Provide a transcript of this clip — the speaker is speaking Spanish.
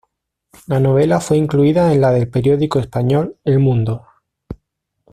La novela fue incluida en la del periódico español "El Mundo".